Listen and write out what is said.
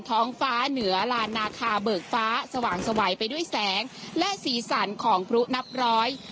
ท้องฟ้าเหนือลานนาคาเบิกฟ้าสว่างสวัยไปด้วยแสงและสีสันของพลุนับร้อย